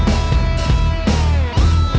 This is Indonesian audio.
masih lu nunggu